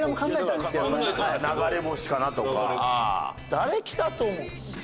誰来たと思う？